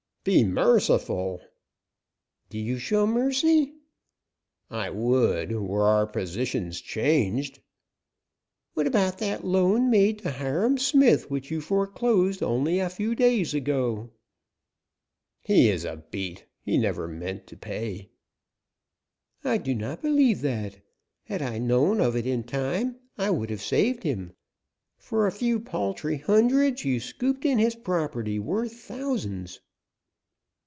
"Be merciful." "Do you show mercy?" "I would, were our positions changed." "What about that loan made to Hiram Smith which you foreclosed only a few days ago?" "He is a beat; he never meant to pay." "I do not believe that. Had I known of it in time I would have saved him. For a few paltry hundreds you scooped in his property worth thousands."